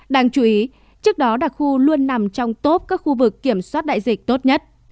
đáng chú ý trước đó đặc khu luôn nằm trong top các khu vực kiểm soát đại dịch tốt nhất